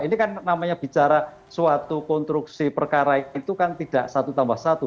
ini kan namanya bicara suatu konstruksi perkara itu kan tidak satu tambah satu